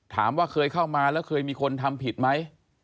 ถามว่าเคยเข้ามาแล้วเคยมีคนทำผิดไหม